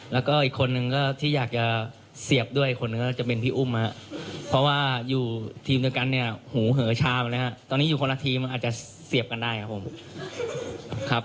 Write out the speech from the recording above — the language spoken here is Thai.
แล้วก็นึงที่อยากกระเม้นนะคะ